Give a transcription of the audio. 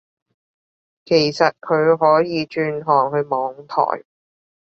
其實佢可以轉行去網台